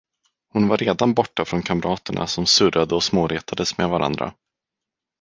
Hon var redan borta från kamraterna, som surrade och småretades med varandra.